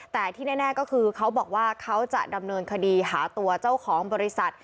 แต่ที่แน่ก็คือเขาบอกว่าเขาจะดำเนินคดีหาตัวเจ้าของบริษัท